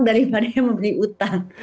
daripada yang membeli hutang